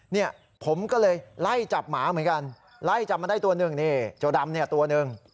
เนี่ยผมก็เลยไล่จับหมาเหมือนกันไล่จับมันได้ตัวหนึ่งนี่เจ้าดำเนี่ยตัวหนึ่ง